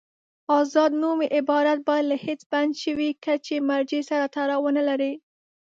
آزاد نومي عبارت باید له هېڅ بند شوي کچې مرجع سره تړاو ونلري.